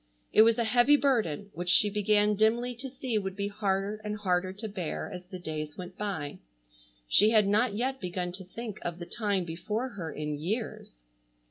It was a heavy burden which she began dimly to see would be harder and harder to bear as the days went by. She had not yet begun to think of the time before her in years.